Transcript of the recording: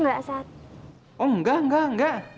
nggak pake nya di